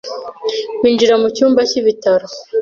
binjira mu cyumba cy'ibitaro,